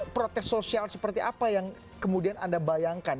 protes sosial seperti apa yang kemudian anda bayangkan